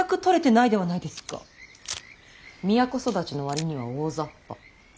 都育ちの割には大ざっぱ。